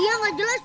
iya gak jelas